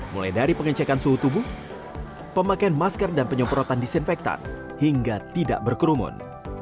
mulai dari pengecekan suhu tubuh pemakaian masker dan penyemprotan disinfektan hingga tidak berkerumun